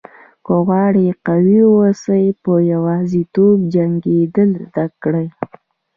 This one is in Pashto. که غواړئ قوي واوسئ په یوازیتوب جنګېدل زده کړئ.